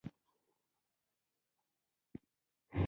دا یوه پخوانۍ ټولنه وه چې حساس بنسټونه یې لرل